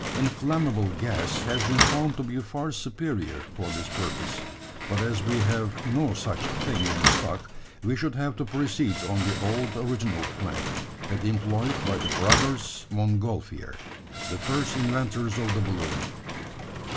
Inflammable gas has been found to be far superior for this purpose; but as we have no such thing in stock, we should have to proceed on the old original plan that employed by the brothers Montgolfier the first inventors of the balloon."